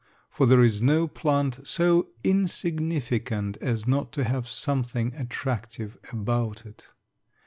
For there is no plant so insignificant as not to have something attractive about it.